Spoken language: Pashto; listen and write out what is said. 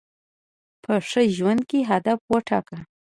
په ژوند کي هدف وټاکه.